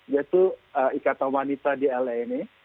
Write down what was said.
yaitu ikatan wanita di la ini